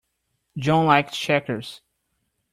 John likes checkers.